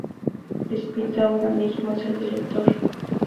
Chispita ahora mismo es el director.